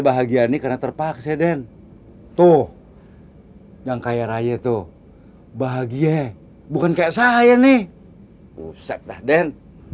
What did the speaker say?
bahagia nih karena terpaksa den tuh yang kaya raya tuh bahagia bukan kayak saya nih useptah den